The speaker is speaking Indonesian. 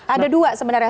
ada dua sebenarnya